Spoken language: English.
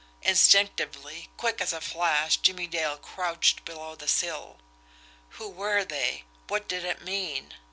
Instinctively, quick as a flash, Jimmie Dale crouched below the sill. Who were they? What did it mean?